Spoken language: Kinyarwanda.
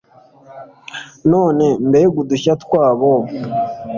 None mbega udushya twabo